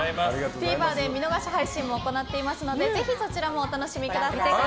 ＴＶｅｒで見逃し配信も行っていますのでぜひ、そちらもお楽しみください。